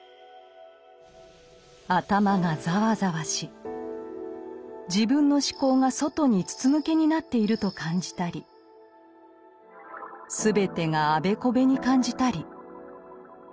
頭が「ざわざわ」し自分の思考が外に「つつぬけ」になっていると感じたり全てが「あべこべ」に感じたり。